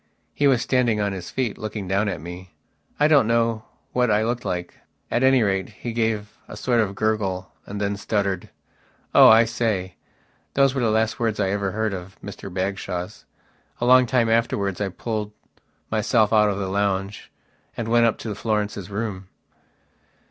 He was standing on his feet, looking down at me. I don't know what I looked like. At any rate, he gave a sort of gurgle and then stuttered: "Oh, I say...." Those were the last words I ever heard of Mr Bagshawe's. A long time afterwards I pulled myself out of the lounge and went up to Florence's room.